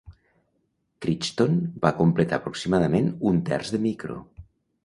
Crichton va completar aproximadament un terç de Micro.